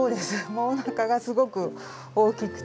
もうおなかがすごく大きくて。